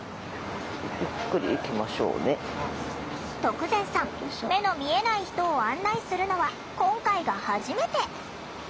徳善さん目の見えない人を案内するのは今回が初めて。